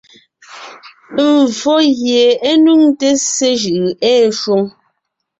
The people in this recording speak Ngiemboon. Mvfó gie é nuŋte ssé jʉʼʉ ée shwoŋ.